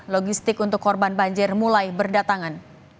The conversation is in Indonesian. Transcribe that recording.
logistik untuk korban banjir mulai berdatangan